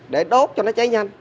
để đốt cho nó cháy nhanh